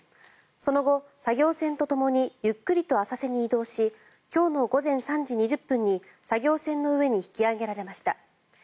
その後、作業船とともにゆっくりと浅瀬に移動し今日の午前３時２０分に作業船の上に引き揚げられました。